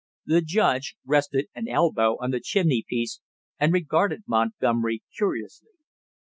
The judge rested an elbow on the chimneypiece and regarded Montgomery curiously.